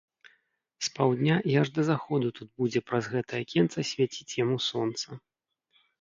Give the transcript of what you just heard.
З паўдня і аж да заходу тут будзе праз гэтае акенца свяціць яму сонца.